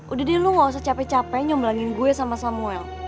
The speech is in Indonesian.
udah deh lu gak usah capek capek nyomlangin gue sama samuel